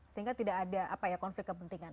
sehingga tidak ada konflik kepentingan